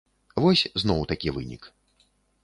Вось, зноў такі вынік.